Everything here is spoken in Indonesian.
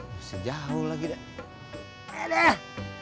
bisa jauh lagi dah